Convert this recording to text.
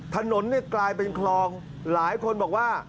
ถนนเนี่ยกลายเป็นคลองหลายคนบอกว่า